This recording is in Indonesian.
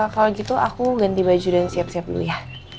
kalau gitu aku ganti baju dan siap siap dulu ya